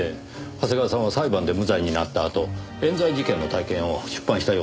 長谷川さんは裁判で無罪になったあと冤罪事件の体験を出版したようですねぇ。